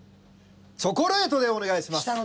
チョコレートでお願いします。